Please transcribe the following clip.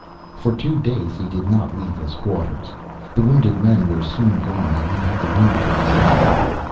For two days he did not leave his quarters. The wounded men were soon gone and he had the room to himself.